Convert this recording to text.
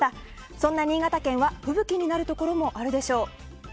そんな新潟県は吹雪になるところもあるでしょう。